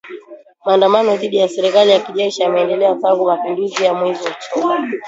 Maandamano dhidi ya serikali ya kijeshi yameendelea tangu mapinduzi ya mwezi Oktoba.